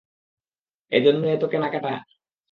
এ জন্যই এতো কেনাকাটা?